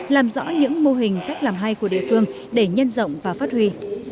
làm rõ những mô hình cách làm hay của địa phương để nhân rộng và phát huy